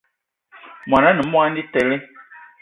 Món ané a monatele